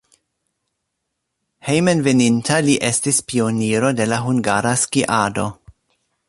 Hejmenveninta li estis pioniro de la hungara skiado.